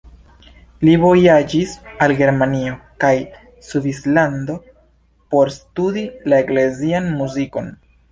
Li vojaĝis al Germanio kaj Svislando por studi la eklezian muzikon.